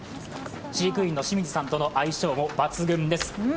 飼育員の清水さんとの相性も抜群です。